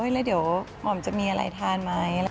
แล้วเดี๋ยวอ่อมจะมีอะไรทานไหม